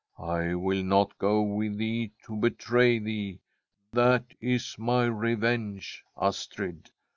I will not go with thee to betray thee. That is my revenge, Astrid.